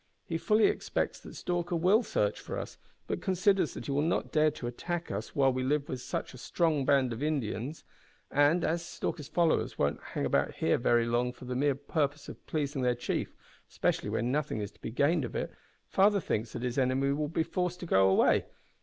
He fully expects that Stalker will search for us, but considers that he will not dare to attack us while we live with so strong a band of Indians, and, as Stalker's followers won't hang about here very long for the mere purpose of pleasing their chief, especially when nothing is to be gained by it, father thinks that his enemy will be forced to go away.